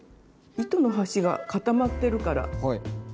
糸の端が固まってるから通しやすく。